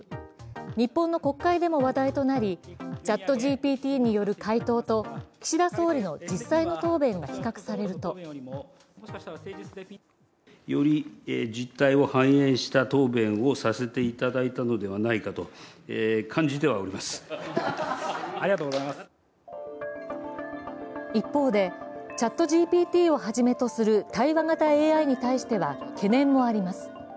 日本の国会でも話題となり、ＣｈａｔＧＰＴによる回答と岸田総理の実際の答弁が比較されると一方でＣｈａｔＧＰＴをはじめとする対話型ＡＩに対しては懸念もあります。